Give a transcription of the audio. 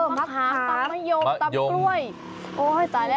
มะขาตำไมโยมตำกล้วย